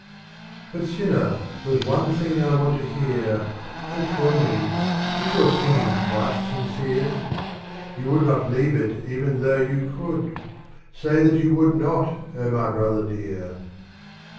^UT, sinner, there's one thing I want to hear: O tell me — is your sinning quite sincere ? You would not leave it even though you could 1 Say that you would not, O my brother dear.